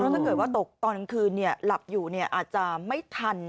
เพราะถ้าเกิดว่าตกตอนกลางคืนเนี้ยหลับอยู่เนี้ยอาจจะไม่ทัน